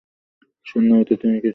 শূন্য হইতে তিনি কিছু সৃষ্টি করিয়াছেন।